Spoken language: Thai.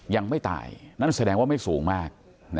ยังไม่ตายนั่นแสดงว่าไม่สูงมาก